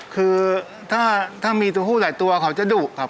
คือถ้ามีตัวผู้หลายตัวเขาจะดุครับ